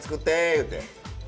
言うて。